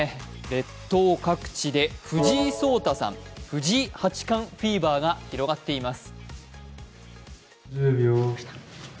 列島各地で藤井聡太さん、藤井八冠フィーバーが広がっています。